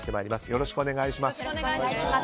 よろしくお願いします。